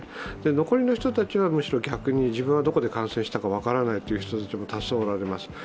残りの人たちはむしろ逆に自分がどこで感染したか分からないという人たちがおられます。